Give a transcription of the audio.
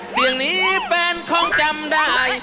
เสียงนี้แฟนคงจำได้